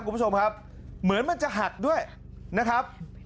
คุณผู้ชมครับเหมือนมันจะหักด้วยนะครับ